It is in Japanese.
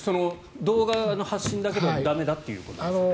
動画の配信だけでは駄目だということですか。